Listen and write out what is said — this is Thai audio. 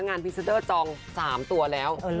งานพิเศษเตอร์จอง๓ตัวแล้ว